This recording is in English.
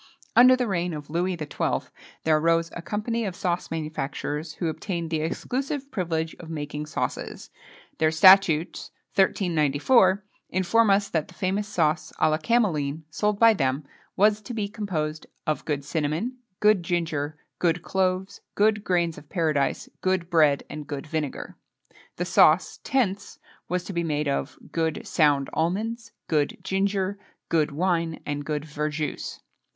Under the reign of Louis XII. there arose a company of sauce manufacturers, who obtained the exclusive privilege of making sauces. Their statutes (1394) inform us that the famous sauce à la cameline, sold by them, was to be composed "of good cinnamon, good ginger, good cloves, good grains of paradise, good bread, and good vinegar." The sauce, Tence, was to be made of "good sound almonds, good ginger, good wine, and good verjuice."